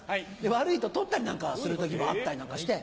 悪いと取ったりなんかする時もあったりなんかして。